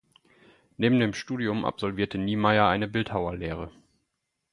Neben dem Studium absolvierte Niemeyer eine Bildhauerlehre.